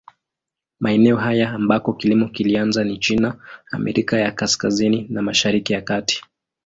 Maeneo haya ambako kilimo kilianza ni China, Amerika ya Kaskazini na Mashariki ya Kati.